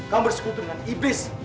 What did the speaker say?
kamu bersekutu dengan iblis